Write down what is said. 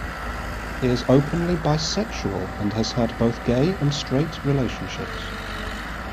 He is openly bisexual and has had both gay and straight relationships.